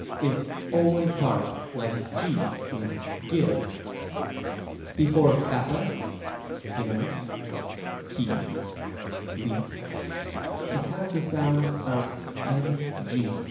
y is always hard, like g in give. Before kK; ¥ X> & it has the sound of ng.